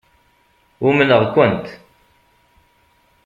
Umneɣ-kent.